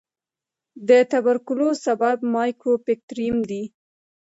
د توبرکلوس سبب مایکوبیکټریم دی.